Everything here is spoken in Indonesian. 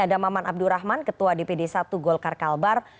ada maman abdurrahman ketua dpd satu golkar kalbar